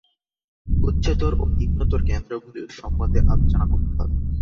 উচ্চতর ও নিম্নতর কেন্দ্রগুলির সম্বন্ধে আলোচনা করতে হবে।